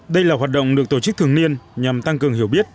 đây là hoạt động được tổ chức thường niên nhằm tăng cường hiểu biết